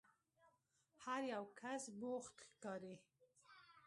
هر یو کس بوخت ښکاري.